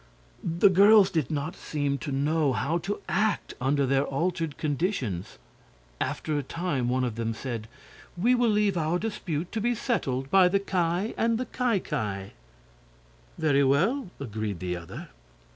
The girls did not seem to know how to act under their altered conditions. After a time one of them said: "We will leave our dispute to be settled by the Ki and the Ki Ki." "Very well," agreed the other.